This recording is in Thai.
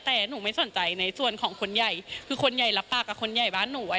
แต่หนูไม่สนใจในส่วนของคนใหญ่คือคนใหญ่รับปากกับคนใหญ่บ้านหนู